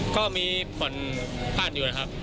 ก็มีผลบ้านอยู่นะครับ